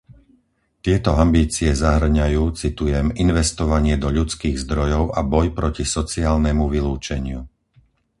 Tieto ambície zahŕňajú, citujem, investovanie do ľudských zdrojov a boj proti sociálnemu vylúčeniu.